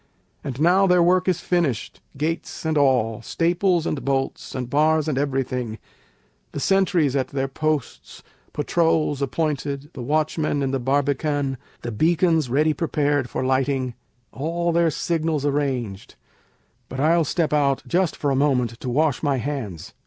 And now their work is finished, gates and all, Staples and bolts, and bars and everything; The sentries at their posts; patrols appointed; The watchman in the barbican; the beacons Ready prepared for lighting; all their signals Arranged but I'll step out, just for a moment, To wash my hands.